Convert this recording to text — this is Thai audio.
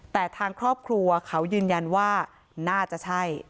แต่ทางครอบครัวเขายืนยันว่าน่าจะใช่